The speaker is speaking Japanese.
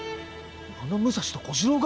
あの武蔵と小次郎が？